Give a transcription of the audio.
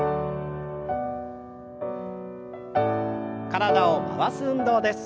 体を回す運動です。